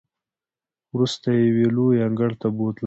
وروسته یې یوې لویې انګړ ته بوتللو.